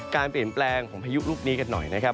การเปลี่ยนแปลงของพายุลูกนี้กันหน่อยนะครับ